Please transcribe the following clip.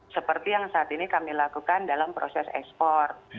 seperti yang saat ini kami lakukan dalam proses ekspor